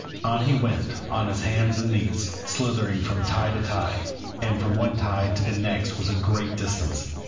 On he went, on his hands and knees, slithering from tie to tie and from one tie to the next was a great distance.